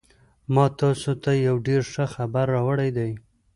ما تاسو ته یو ډېر ښه خبر راوړی دی